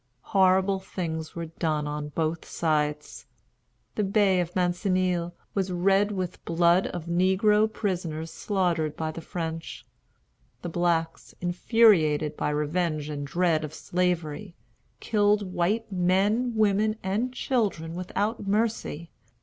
Horrible things were done on both sides. The Bay of Mancenille was red with the blood of negro prisoners slaughtered by the French. The blacks, infuriated by revenge and dread of Slavery, killed white men, women, and children without mercy.